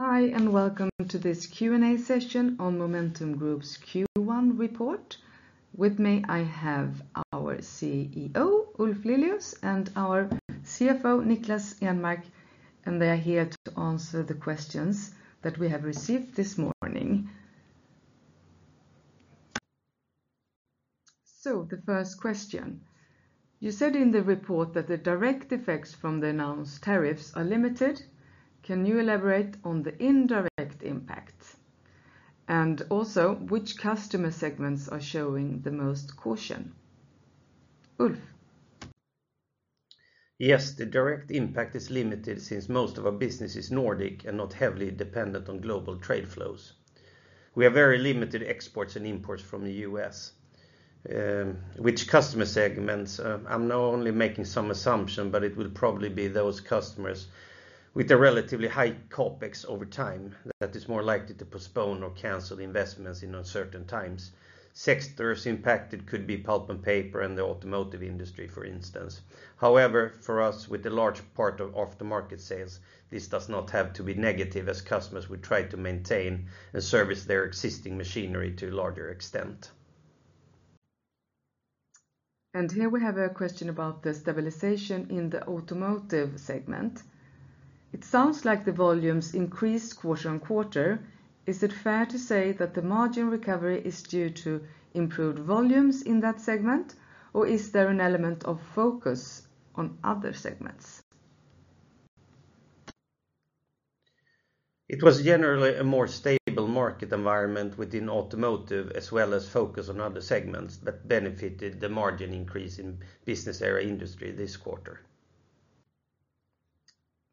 Hi, welcome to this Q&A session on Momentum Group's Q1 report. With me, I have our CEO, Ulf Lilius, and our CFO, Niklas Enmark. They are here to answer the questions that we have received this morning. The first question. You said in the report that the direct effects from the announced tariffs are limited. Can you elaborate on the indirect impact? Also, which customer segments are showing the most caution? Ulf? Yes. The direct impact is limited since most of our business is Nordic and not heavily dependent on global trade flows. We have very limited exports and imports from the U.S. Which customer segments? I'm now only making some assumption, but it will probably be those customers with a relatively high CapEx over time that is more likely to postpone or cancel investments in uncertain times. Sectors impacted could be pulp and paper and the automotive industry, for instance. However, for us, with a large part of after-market sales, this does not have to be negative as customers will try to maintain and service their existing machinery to a larger extent. Here we have a question about the stabilization in the automotive segment. It sounds like the volumes increased quarter-on-quarter. Is it fair to say that the margin recovery is due to improved volumes in that segment, or is there an element of focus on other segments? It was generally a more stable market environment within automotive, as well as focus on other segments that benefited the margin increase in business area industry this quarter.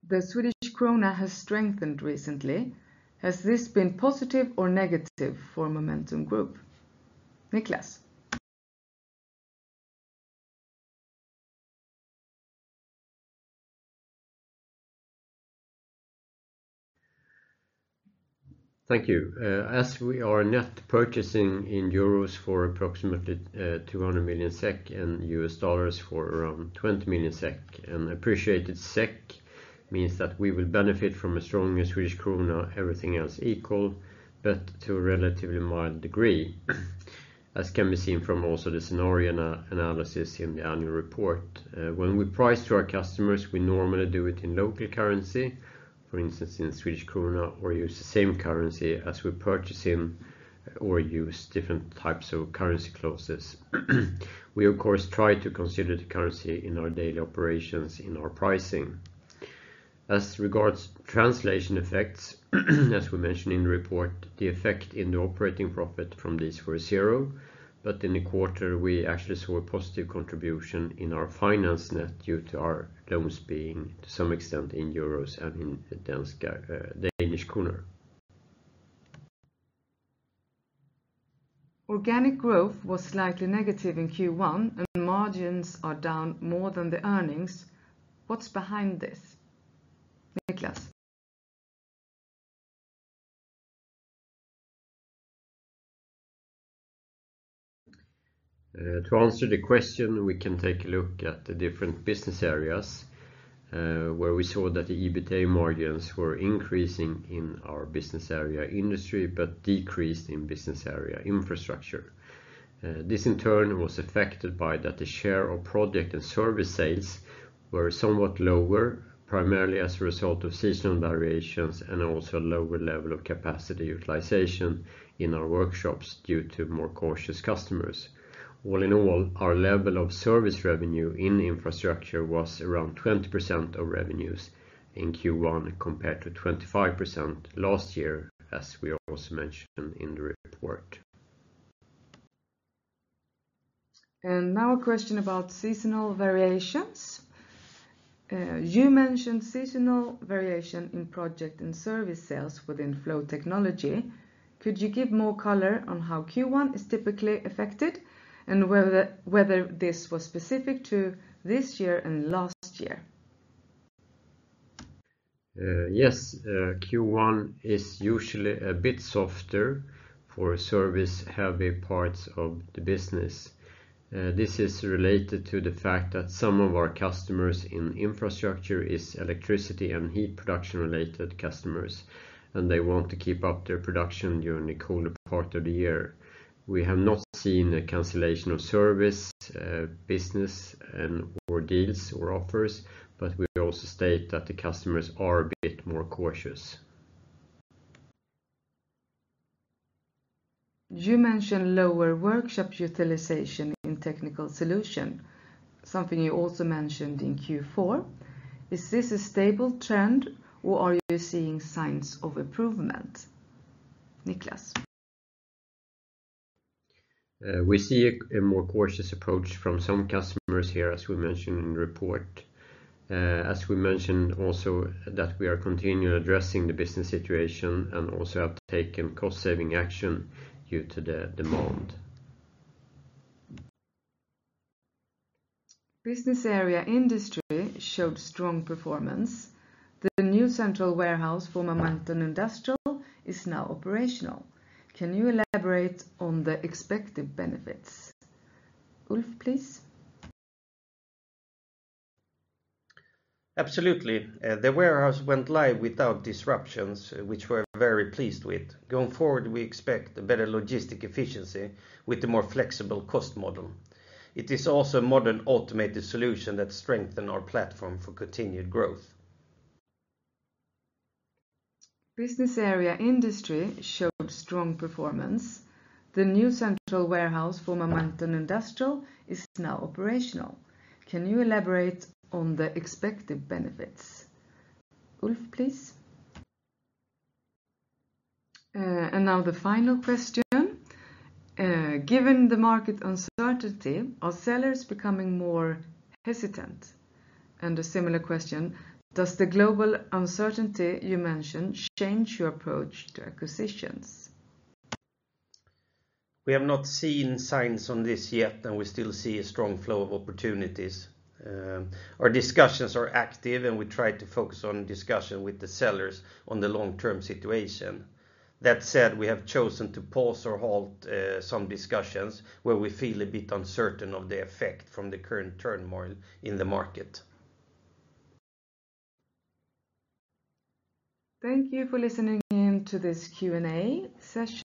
The Swedish krona has strengthened recently. Has this been positive or negative for Momentum Group? Niklas? Thank you. As we are net purchasing in EUR for approximately 200 million SEK and USD for around 20 million SEK, an appreciated SEK means that we will benefit from a stronger Swedish krona, everything else equal, but to a relatively mild degree, as can be seen from also the scenario analysis in the annual report. When we price to our customers, we normally do it in local currency. For instance, in Swedish krona, or use the same currency as we purchase in or use different types of currency clauses. We, of course, try to consider the currency in our daily operations in our pricing. As regards translation effects, as we mentioned in the report, the effect in the operating profit from these were zero, but in the quarter, we actually saw a positive contribution in our finance net due to our loans being, to some extent, in EUR and in DKK. Organic growth was slightly negative in Q1, and margins are down more than the earnings. What's behind this? Niklas? To answer the question, we can take a look at the different business areas, where we saw that the EBITA margins were increasing in our business area industry but decreased in business area infrastructure. This, in turn, was affected by that the share of project and service sales were somewhat lower, primarily as a result of seasonal variations and also a lower level of capacity utilization in our workshops due to more cautious customers. All in all, our level of service revenue in infrastructure was around 20% of revenues in Q1 compared to 25% last year, as we also mentioned in the report. Now a question about seasonal variations. You mentioned seasonal variation in project and service sales within flow technology. Could you give more color on how Q1 is typically affected and whether this was specific to this year and last year? Yes. Q1 is usually a bit softer for service-heavy parts of the business. This is related to the fact that some of our customers in infrastructure is electricity and heat production-related customers, and they want to keep up their production during the colder part of the year. We have not seen a cancellation of service business and/or deals or offers, but we also state that the customers are a bit more cautious. You mentioned lower workshop utilization in technical solution, something you also mentioned in Q4. Is this a stable trend, or are you seeing signs of improvement? Niklas. We see a more cautious approach from some customers here, as we mentioned in the report. As we mentioned also that we are continually addressing the business situation and also have taken cost-saving action due to the demand. Business area industry showed strong performance. The new central warehouse for Momentum Industrial is now operational. Can you elaborate on the expected benefits? Ulf, please. Absolutely. The warehouse went live without disruptions, which we're very pleased with. Going forward, we expect a better logistic efficiency with a more flexible cost model. It is also a modern, automated solution that strengthen our platform for continued growth. Business area industry showed strong performance. The new central warehouse for Momentum Industrial is now operational. Can you elaborate on the expected benefits? Ulf, please. Now the final question. Given the market uncertainty, are sellers becoming more hesitant? A similar question: Does the global uncertainty you mentioned change your approach to acquisitions? We have not seen signs on this yet, and we still see a strong flow of opportunities. Our discussions are active, and we try to focus on discussion with the sellers on the long-term situation. That said, we have chosen to pause or halt some discussions where we feel a bit uncertain of the effect from the current turmoil in the market. Thank you for listening in to this Q&A session.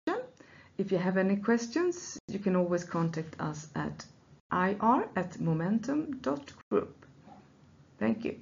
If you have any questions, you can always contact us at ir@momentum.group. Thank you